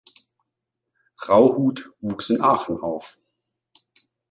Rauhut wuchs in Aachen auf.